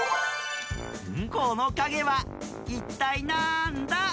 このかげはいったいなんだ？